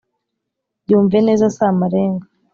byumve neza si amarenga